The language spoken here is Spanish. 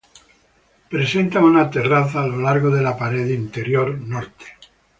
Presenta una terraza a lo largo de la pared interior norte.